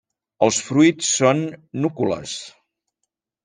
Els fruits són núcules.